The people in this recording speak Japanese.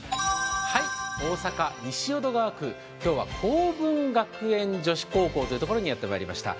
大阪・西淀川区、今日は好文学園女子高校という所にやってきました。